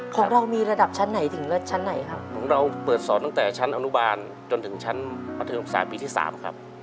ของเรามีระดับชั้นไหนถึงเลิศชั้นไหนครับของเราเปิดสอนตั้งแต่ชั้นอนุบาลจนถึงชั้นประทุมศึกษาปีที่สามครับ